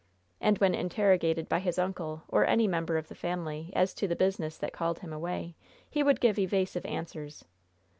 And when interrogated by his uncle, or any member of the family, as to the business that called him away, he would give evasive answers.